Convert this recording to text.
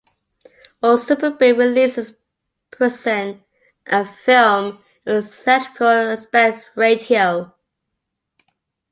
All Superbit releases present a film in its theatrical aspect ratio.